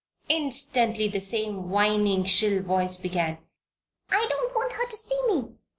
Instantly the same whining, shrill voice began: "I don't want her to see me!